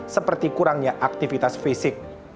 seperti kurangnya aktivitas fisik